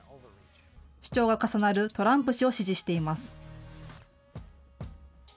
主張が重なるトランプ氏を支持しています。